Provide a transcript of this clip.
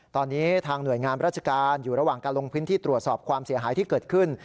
ตอนนี้ทางหน่วยงานราชการอยู่ระหว่างการลงพื้นที่ตรวจสอบความเสียหายที่เกิดขึ้น